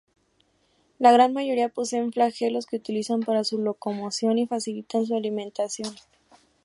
La gran mayoría poseen flagelos que utilizan para su locomoción y facilitan su alimentación.